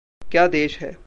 क्या देश है!